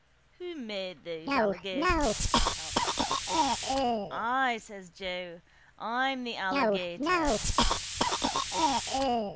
—Who made those allegations? says Alf. —I, says Joe. I'm the alligator.